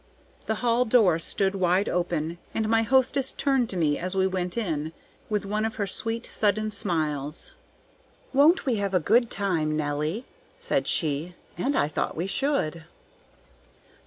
The hall door stood wide open, and my hostess turned to me as we went in, with one of her sweet, sudden smiles. "Won't we have a good time, Nelly?" said she. And I thought we should.